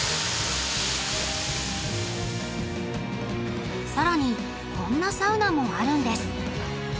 更にこんなサウナもあるんです。